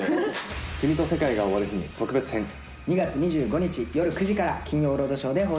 君と世界が終わる日に、２月２５日夜９時から金曜ロ